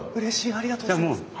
ありがとうございます！